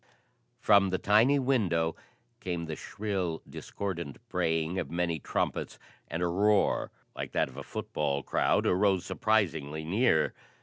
From the tiny window came the shrill discordant braying of many trumpets, and a roar like that of a football crowd arose surprisingly near.